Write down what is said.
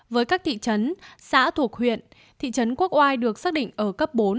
với các thị trấn xã thuộc huyện thị trấn quốc oai được xác định ở cấp bốn